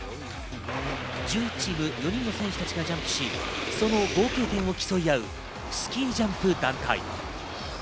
１１チーム、４人の選手たちがジャンプし、その合計点を競い合うスキージャンプ団体。